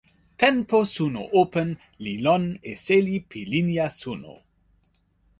tenpo suno open li lon e seli pi linja suno.